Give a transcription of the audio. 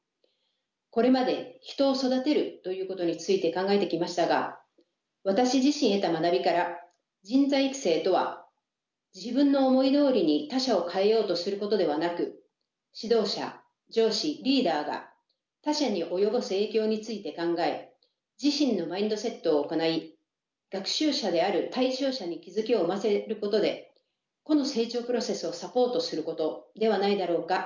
これまで人を育てるということについて考えてきましたが私自身得た学びから人材育成とは自分の思いどおりに他者を変えようとすることではなく指導者上司リーダーが他者に及ぼす影響について考え自身のマインドセットを行い学習者である対象者に気付きを生ませることで個の成長プロセスをサポートすることではないだろうか。